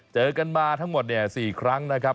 เจอกันมาทั้งหมด๔ครั้งนะครับ